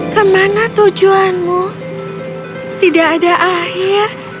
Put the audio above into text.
kemana tujuanmu tidak ada akhir